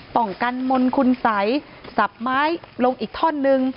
ป้องกันมนต์คุณสัยสับไม้ลงอีกท่อนนึง